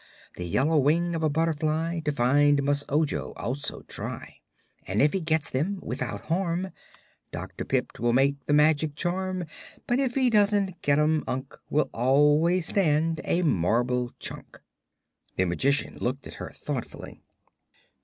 The yellow wing of a butterfly To find must Ojo also try, And if he gets them without harm, Doc Pipt will make the magic charm; But if he doesn't get 'em, Unc Will always stand a marble chunk." The Magician looked at her thoughtfully.